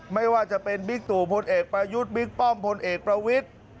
ไม่ว่าจะเป็นบิ๊กตู่พลเอกประยุทธ์บิ๊กป้อมพลเอกประวิทธิ์